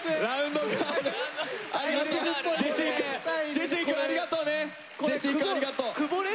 ジェシーくんありがとう！